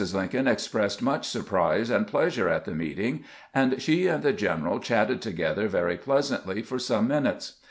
Lincoln expressed much surprise and pleasure at the meeting, and she and the general chatted together very pleasantly for some minutes.